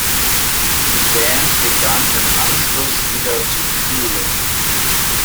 Die Band begann im Anschluss wieder zu touren.